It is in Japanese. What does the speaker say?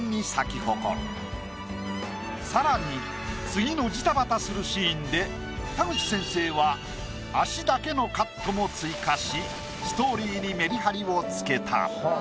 さらに次のジタバタするシーンで田口先生は足だけのカットも追加しストーリーにメリハリをつけた。